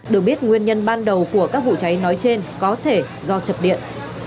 được biết nguyên nhân ban đầu của các vụ cháy nói trên có thể do chập điện